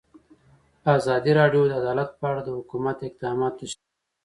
ازادي راډیو د عدالت په اړه د حکومت اقدامات تشریح کړي.